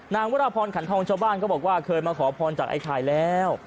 วรพรขันทองชาวบ้านก็บอกว่าเคยมาขอพรจากไอ้ไข่แล้ว